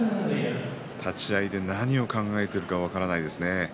立ち合いで何を考えているか分からないですね。